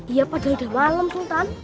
iya pada udah malem sultan